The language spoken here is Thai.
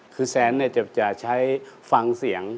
คือแซนจะใช้ฟังเสียง